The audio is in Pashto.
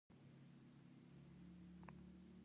رجیب، غار دغه خواته دی.